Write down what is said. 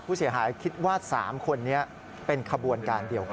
ผู้เสียหายคิดว่า๓คนนี้เป็นขบวนการเดียวกัน